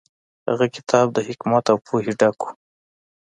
هغه کتاب د حکمت او پوهې ډک و.